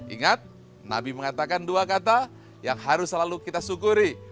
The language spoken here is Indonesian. ingat nabi mengatakan dua kata yang harus selalu kita syukuri